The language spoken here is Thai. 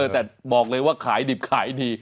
แต่บอกเลยว่าขายดิบขายดี